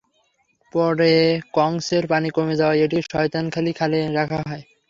পড়ে কংসের পানি কমে যাওয়ায় এটিকে শয়তানখালী খালে এনে রাখা হয়।